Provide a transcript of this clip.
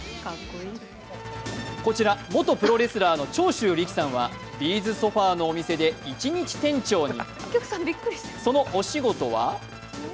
こちら元プロレスラーの長州力さんはビーズソファーのお店で一日店長に。